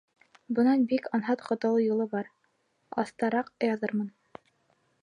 Бынан бик анһат ҡотолоу юлы бар, аҫтараҡ яҙырмын.